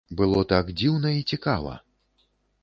Было так дзіўна і цікава!